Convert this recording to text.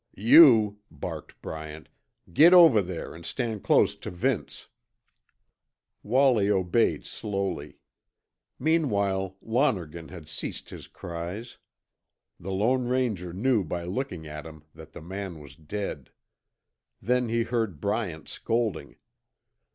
"You," barked Bryant, "git over there an' stand close tuh Vince." Wallie obeyed slowly. Meanwhile Lonergan had ceased his cries. The Lone Ranger knew by looking at him that the man was dead. Then he heard Bryant scolding.